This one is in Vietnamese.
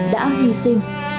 đã hy sinh